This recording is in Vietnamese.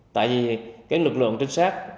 tại vì cái lực lượng trinh sát